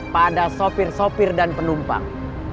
pada sopir sopir dan penumpang